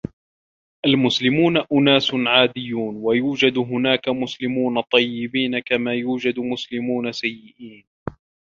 المسلمون أناس عاديّون و يوجد هناك مسلمون طيّبين كما يوجد مسلمون سيّئين.